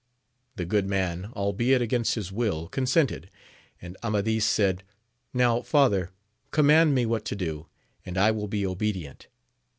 The good man, albeit against his will, consented ; and Amadis said. Now, father, com mand me what to do, and I will be obedient.